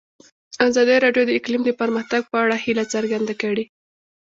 ازادي راډیو د اقلیم د پرمختګ په اړه هیله څرګنده کړې.